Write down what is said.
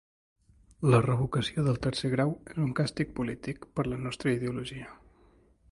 La revocació del tercer grau és un càstig polític, per la nostra ideologia.